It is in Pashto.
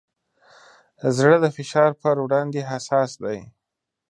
زړه د فشار پر وړاندې حساس دی.